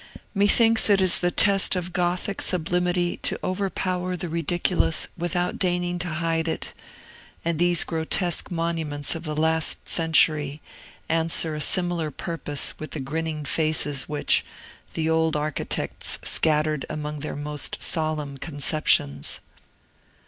Methinks it is the test of Gothic sublimity to overpower the ridiculous without deigning to hide it; and these grotesque monuments of the last century answer a similar purpose with the grinning faces which, the old architects scattered among their most solemn conceptions.